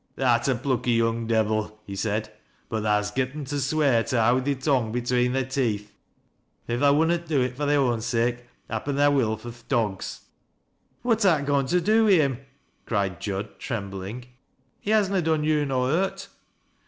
"Tha'rt a plucky young devil," he said; "but tha's getten to swear to howd thy tongue between thy teeth, an if tha wunnot do it fur thy own sake, happen tha will fui th' dog's." " What art tha goin' to do wi' him ?" cried Jud, trem bling. " He has na done yo' no hurt."